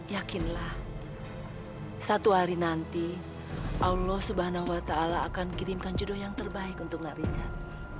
yakinlah satu hari nanti allah swt akan kirimkan jodoh yang terbaik untuk naricat